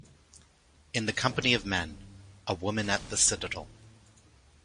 In the Company of Men: A Woman at The Citadel.